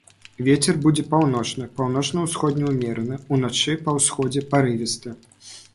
Вецер будзе паўночны, паўночна-усходні ўмераны, уначы па ўсходзе парывісты.